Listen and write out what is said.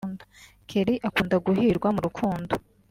Kelly akunda guhirwa mu rukundo